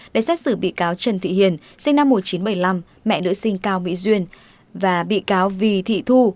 đã xét xử bị cáo trần thị hiền sinh năm một nghìn chín trăm bảy mươi năm mẹ nữ sinh cao mỹ duyên và bị cáo vì thị thu